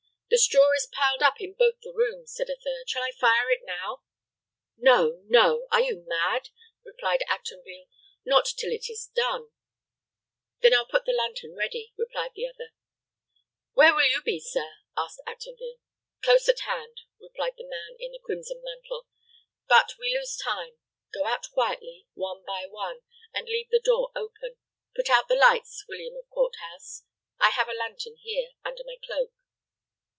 "The straw is piled up in both the rooms." said a third. "Shall I fire it now?" "No, no! Are you mad?" replied Actonville "Not till it is done." "Then I'll put the lantern ready," replied the other. "Where will you be, sir?" asked Actonville. "Close at hand," replied the man in the crimson mantle. "But we lose time. Go out quietly, one by one, and leave the door open. Put out the lights, William of Courthose. I have a lantern here, under my cloak."